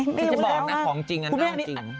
ใช่จะบอกนะของจริงกันน่าวจริง